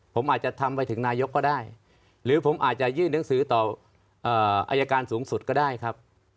ผมอาจจะทำไปถึงนายกก็ได้หรือผมอาจจะยื่นหนังสือต่ออายการสูงสุดก็ได้ครับ